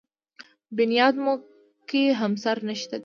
بنیاد مو کې همسر نشته دی.